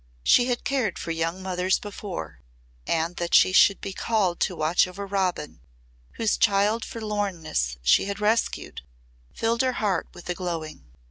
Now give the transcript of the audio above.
She had cared for young mothers before, and that she should be called to watch over Robin, whose child forlornness she had rescued, filled her heart with a glowing.